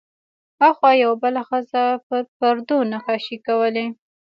هاخوا یوه بله ښځه پر پردو نقاشۍ کولې.